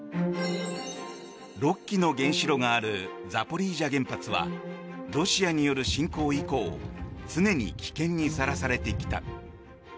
６基の原子炉があるザポリージャ原発はロシアによる侵攻以降常に危険にさらされてきた。